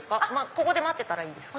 ここで待ってたらいいですか？